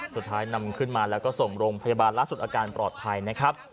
สุดท้ายนำขึ้นมาแล้วก็ส่งโรงพยาบาลล่าสุดอาการปลอดภัยนะครับ